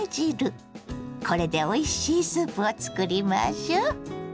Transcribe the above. これでおいしいスープを作りましょ。